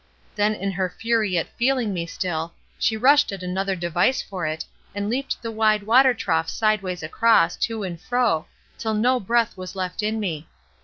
Then in her fury at feeling me still, she rushed at another device for it, and leaped the wide water trough sideways across, to and fro, till no breath was left in me.